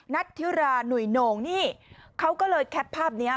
นัทธิราหนุ่ยโน่งนี่เขาก็เลยแคปภาพนี้